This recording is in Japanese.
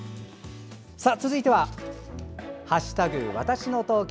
続いては「＃わたしの東京」。